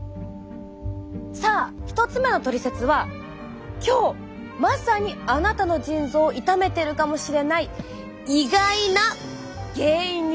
さあ１つ目のトリセツは今日まさにあなたの腎臓をいためてるかもしれない意外な原因について。